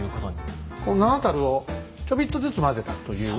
この７たるをちょびっとずつ混ぜたという。